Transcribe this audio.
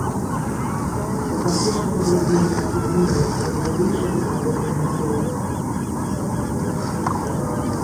Да таго ж ён быў вельмі схуднелы, як бы выйшаў з галоднай магілы.